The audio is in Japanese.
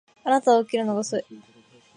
あなたは起きるのが遅い